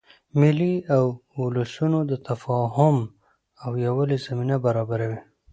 مېلې اد ولسونو د تفاهم او یووالي زمینه برابروي.